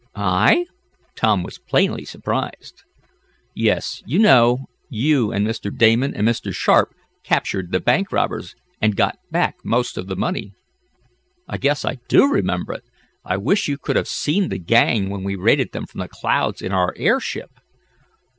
"I?" Tom was plainly surprised. "Yes, you know you and Mr. Damon and Mr. Sharp captured the bank robbers, and got back most of the money." "I guess I do remember it! I wish you could have seen the gang when we raided them from the clouds, in our airship!"